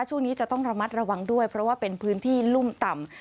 ช่วงนี้จะต้องระมัดระวังด้วยเพราะว่าเป็นพื้นที่ลุ่มต่ำ